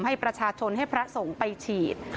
ให้ประชาชนให้พระสงฆ์ไปฉีด